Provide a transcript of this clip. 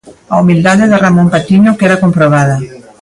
A humildade de Ramón Patiño queda comprobada.